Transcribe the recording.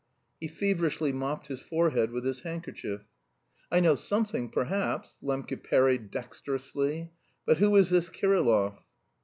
He feverishly mopped his forehead with his handkerchief. "I know something, perhaps." Lembke parried dexterously. "But who is this Kirillov?"